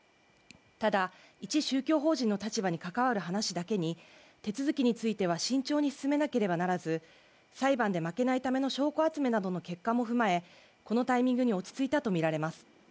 ただいち宗教法人の立場に関わる話だけに手続きについては慎重に進めなければならず裁判で負けないための証拠集めなどの結果も踏まえこのタイミングに落ち着いたとみられます